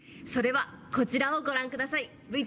それはこちらをご覧下さい。